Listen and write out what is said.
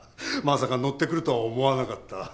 まさか乗ってくるとは思わなかった。